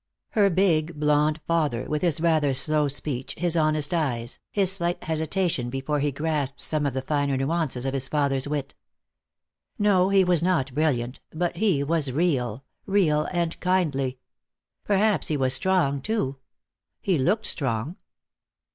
Her big, blond father, with his rather slow speech, his honest eyes, his slight hesitation before he grasped some of the finer nuances of his father's wit. No, he was not brilliant, but he was real, real and kindly. Perhaps he was strong, too. He looked strong.